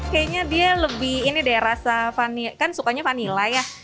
kayaknya dia lebih ini deh rasa fani kan sukanya vanila ya